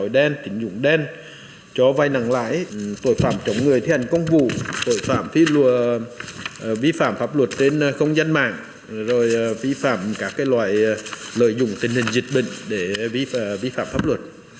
đen cho vai nặng lãi tội phạm chống người thi hành công vụ tội phạm vi phạm pháp luật trên không gian mạng vi phạm các loại lợi dụng tình hình dịch bệnh để vi phạm pháp luật